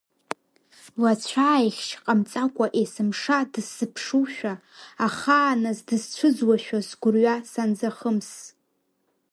Лацәааихьшь ҟамҵакәа есымша дысзыԥшушәа, ахааназ дысцәыӡуашәа сгәырҩа санзахымс…